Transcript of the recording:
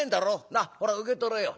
なあほら受け取れよなあ。